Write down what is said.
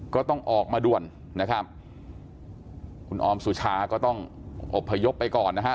ก็ต้องออกมาด่วนนะครับคุณออมสุชาก็ต้องอบพยพไปก่อนนะฮะ